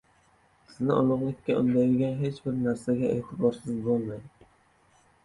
Sizni ulug‘likka undaydigan hech bir narsaga e’tiborsiz bo‘lmang.